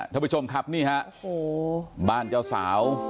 ท่านผู้ชมครับนี่ฮะโอ้โหบ้านเจ้าสาว